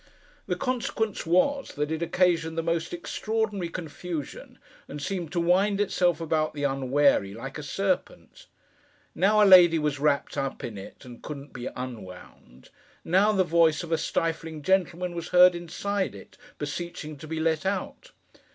The consequence was, that it occasioned the most extraordinary confusion, and seemed to wind itself about the unwary, like a Serpent. Now, a lady was wrapped up in it, and couldn't be unwound. Now, the voice of a stifling gentleman was heard inside it, beseeching to be let out.